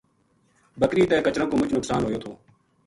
بکری تے کچراں کو مُچ نقصان ہویو تھو